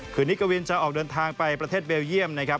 คืนนี้กวินจะออกเดินทางไปประเทศเบลเยี่ยมนะครับ